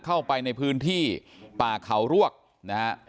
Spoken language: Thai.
เข้าไปในพื้นที่ป่าเขารวกนะฮะ